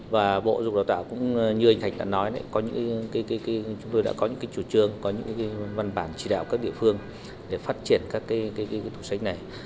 và bộ giáo dục và đào tạo cũng như anh thạch đã nói chúng tôi đã có những chủ trương có những văn bản chỉ đạo các địa phương để phát triển các tủ sách này